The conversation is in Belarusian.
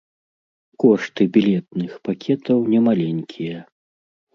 Кошты білетных пакетаў немаленькія.